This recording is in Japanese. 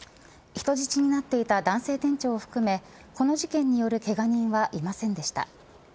人質になっていた男性店長を含めこの事件によるけが人はいませんでした。